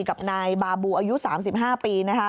กับนายบาบูอายุ๓๕ปีนะคะ